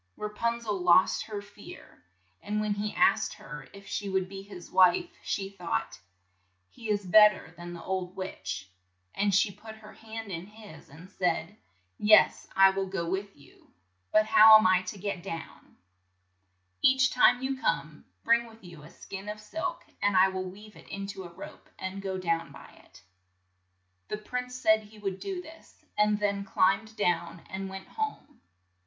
Ra pun zel lost her fear, and when he asked her if she would be his wife, she thought ''He is bet ter than the old witch, and she put her hand in his, and said, "Yes, I will go with you, but how am I to get down? RAPUNZEL 53 Each time you come, bring with you a skein of silk, and I will weave it in to a rope, and go down by it." The prince said he would do this, and then climbed down and went home.